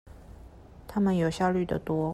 他們有效率的多